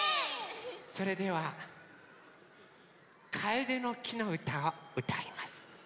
それでは「カエデの木のうた」をうたいます。